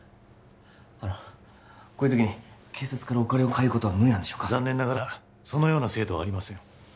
あのこういう時に警察からお金を借りることは無理なんでしょうか残念ながらそのような制度はありません